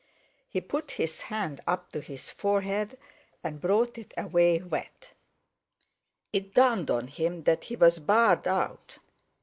He put his hand up to his forehead, and brought it away wet. It dawned on him that he was barred out.